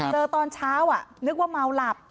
ตอนเช้านึกว่าเมาหลับ